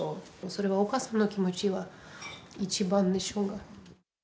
それはお母さんの気持ちは一番でしょう。